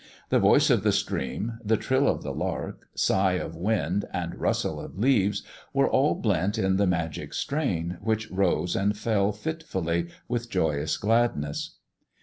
The voice of the stream, the trill of the lark, sigh of wind, and rustle of leaves were all blent in the magic strain, which rose and fell fitfully with joyous gladness.